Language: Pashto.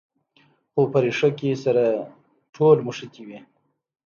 خو په ریښه کې سره ټول نښتي وي.